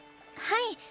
はい。